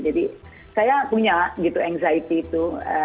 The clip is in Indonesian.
jadi saya punya gitu anxiety itu